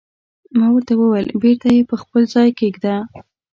ما ورته وویل: بېرته یې پر خپل ځای کېږده.